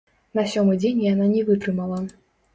На сёмы дзень яна не вытрымала.